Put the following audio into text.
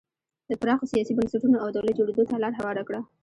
د پراخو سیاسي بنسټونو او دولت جوړېدو ته لار هواره کړه.